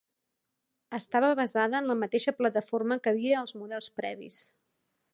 Estava basada en la mateixa plataforma que havia als models previs.